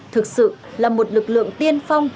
thực sự là một lực lượng tiên phong